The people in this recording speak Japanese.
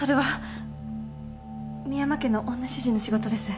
深山家の女主人の仕事です。